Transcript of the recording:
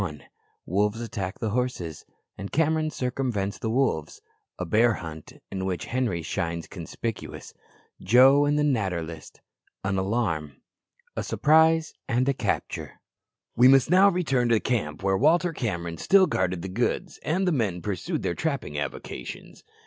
Wolves attack the horses, and Cameron circumvents the wolves A bear hunt, in which Henri shines conspicuous Joe and the "Natter list" An alarm A surprise and a capture. We must now return to the camp where Walter Cameron still guarded the goods, and the men pursued their trapping avocations.